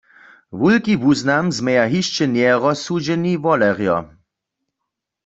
Wulki wuznam změja hišće njerozsudźeni wolerjo.